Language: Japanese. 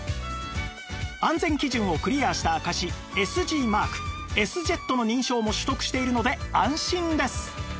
安全基準をクリアした証し ＳＧ マーク Ｓ−ＪＥＴ の認証も取得しているので安心です